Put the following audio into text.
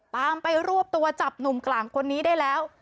ตามไปรวบตัวจับหนุ่มกลางคนนี้ได้แล้ว